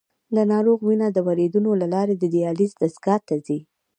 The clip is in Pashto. د ناروغ وینه د وریدونو له لارې د دیالیز دستګاه ته ځي.